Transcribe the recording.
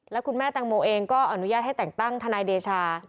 และคุณแม่แตงโมเองก็อนุญาตให้แต่งตั้งทนายเดชา